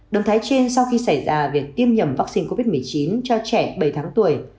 động thái trên sau khi xảy ra việc tiêm nhầm vaccine covid một mươi chín cho trẻ bảy tháng tuổi